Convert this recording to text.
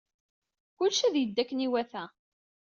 Kullec ad yeddu akken iwata.